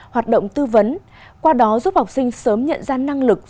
hoạt động tư vấn qua đó giúp học sinh sớm nhận ra năng lực